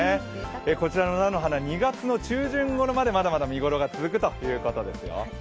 こちらの菜の花、２月の中旬頃までまだまだ見頃が続くということですよ。